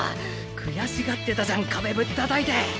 悔しがってたじゃん壁ぶったたいて。